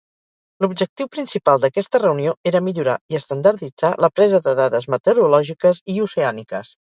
L'objectiu principal d'aquesta reunió era millorar i estandarditzar la presa de dades meteorològiques i oceàniques.